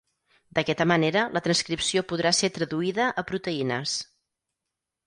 D'aquesta manera la transcripció podrà ser traduïda a proteïnes.